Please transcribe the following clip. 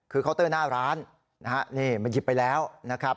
คือคาวเตอร์หน้าร้านมันหยิบไปแล้วนะครับ